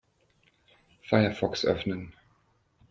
Firefox öffnen.